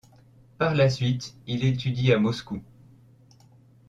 Par la suite, Il étudie à Moscou.